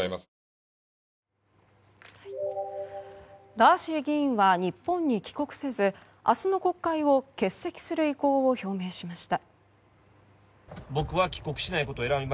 ガーシー議員は日本に帰国せず明日の国会を欠席する意向を表明しました。